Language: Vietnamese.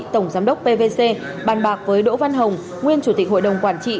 tổng giám đốc pvc bàn bạc với đỗ văn hồng nguyên chủ tịch hội đồng quản trị